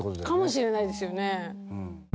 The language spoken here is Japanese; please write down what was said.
かもしれないですよね。